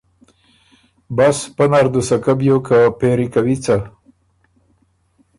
بس پۀ نر دُوسکۀ بیوک که پېری کوی څۀ؟